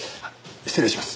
失礼します。